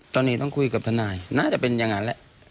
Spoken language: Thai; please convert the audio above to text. ตอนนี้ต้องคุยกับทนายน่าจะเป็นอย่างนั้นแหละ